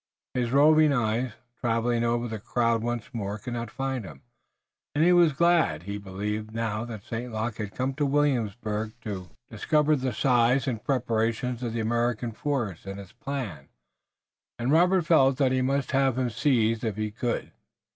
His roving eyes, traveling over the crowd once more, could not find him, and he was glad. He believed now that St. Luc had come to Williamsburg to discover the size and preparations of the American force and its plan, and Robert felt that he must have him seized if he could.